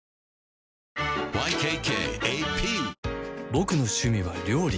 ボクの趣味は料理